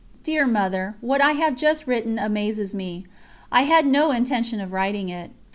....... Dear Mother, what I have just written amazes me. I had no intention of writing it.